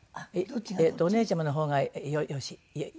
お姉ちゃまの方がヨシ。